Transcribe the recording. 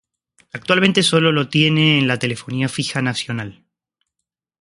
Actualmente solo lo tiene en la telefonía fija nacional.